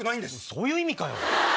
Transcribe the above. そういう意味かよ！